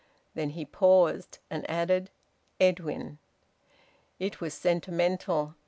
Then he paused, and added, "Edwin." It was sentimental.